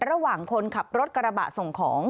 ระหว่างคนขับรถกระบะส่งของ